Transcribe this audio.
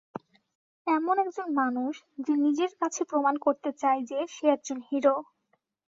এমন একজন মানুষ যে নিজের কাছে প্রমাণ করতে চায় যে সে একজন হিরো।